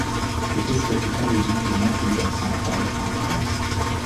Cette espèce est endémique de Macédoine-Centrale en Grèce.